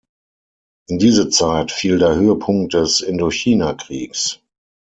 In diese Zeit fiel der Höhepunkt des Indochinakriegs.